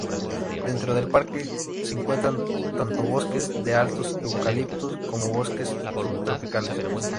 Dentro del parque se encuentran tanto bosques de altos eucaliptos como bosques subtropicales.